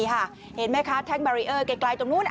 เห็นไหมคะแท่งบารีเออร์ไกลตรงนู้น